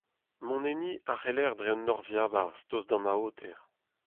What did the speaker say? Mont enni a c'heller dre un nor ziabarzh tost d'an aoter.